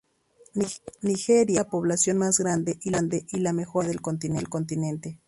Nigeria tenía la población más grande y la mejor economía del continente.